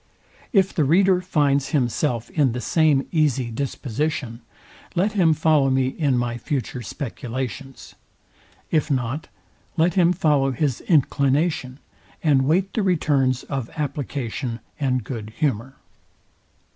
If the reader finds himself in the same easy disposition, let him follow me in my future speculations. If not, let him follow his inclination, and wait the returns of application and good humour.